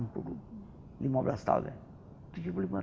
lima belas tahun ya